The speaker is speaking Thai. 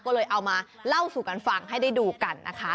ก็เลยเอามาเล่าสู่กันฟังให้ได้ดูกันนะคะ